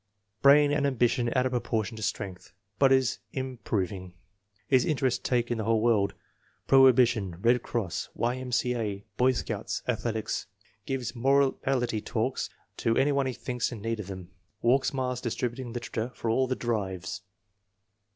" Brain and ambition out of proportion to strength, but is improv ing. His interests take in the whole world; prohi bition, Bed Cross, Y.M.C.A., Boy Scouts, Athletics. Gives morality talks to any one he thinks in need of them. Walks miles distributing literature for all the 'drives.'"